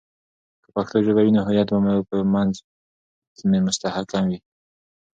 که پښتو ژبه وي، نو هویت به مو په منځ مي مستحکم وي.